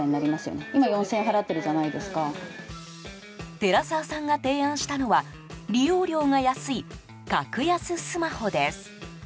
寺澤さんが提案したのは利用料が安い格安スマホです。